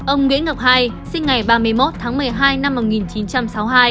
ông nguyễn ngọc hai sinh ngày ba mươi một tháng một mươi hai năm một nghìn chín trăm sáu mươi hai